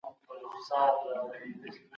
ته کولای سي چي په خپل زحمت سره هر څه ترلاسه کړي.